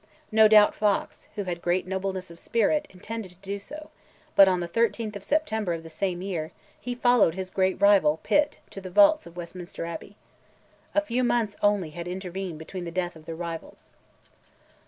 No doubt Fox, who had great nobleness of soul, intended to do so; but on the 13th of September of the same year, he followed his great rival, Pitt, to the vaults of Westminster Abbey. A few months only had intervened between the death of the rivals.